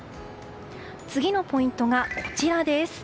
次のポイントがこちらです。